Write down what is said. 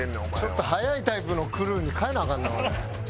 ちょっと早いタイプのクルーに変えなアカンなおい。